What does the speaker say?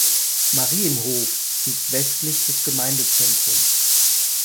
Marienhof liegt westlich des Gemeindezentrums.